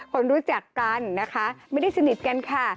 ความรู้จักกันไม่ได้สนิทกันค่ะ